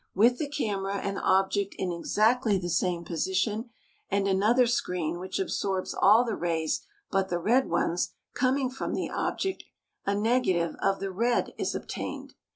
With the camera and object in exactly the same position and another screen which absorbs all the rays but the red ones coming from the object, a negative of the red is obtained.